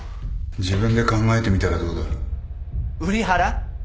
自分で考えてみたらどうだ瓜原？